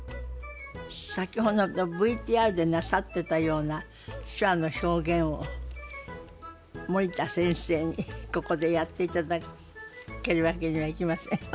先ほどのＶＴＲでなさってたような手話の表現を森田先生にここでやっていただけるわけにはいきません？